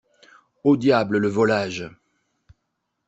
Au diable le volage!